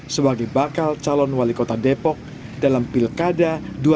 sebagai bakal calon wali kota depok dalam pilkada dua ribu dua puluh